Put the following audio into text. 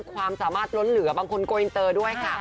ความสามารถล้นเหลือบางคนโกอินเตอร์ด้วยค่ะ